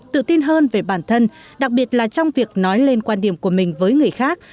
tự tin hơn về bản thân đặc biệt là trong việc nói lên quan điểm của mình với người khác